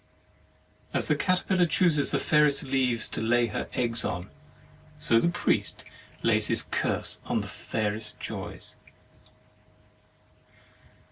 As the caterpillar chooses the fairest leaves to lay her eggs on, so the priest lays his curse on the fairest joys.